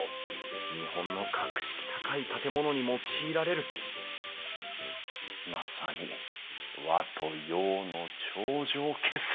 日本の格式高い建物に用いられるまさに和と洋の頂上決戦！